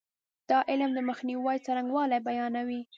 دا علم د مخنیوي څرنګوالی بیانوي.